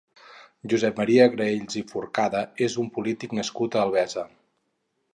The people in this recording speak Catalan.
Josep Maria Graells i Forcada és un polític nascut a Albesa.